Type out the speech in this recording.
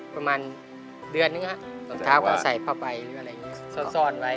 ประมาณเดือนหนึ่งครับตอนเช้ากันใส่ผ้าใบหรืออะไรอย่างนี้